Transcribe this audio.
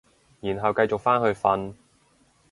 然後繼續返去瞓